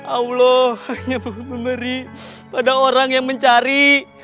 allah hanya memberi pada orang yang mencari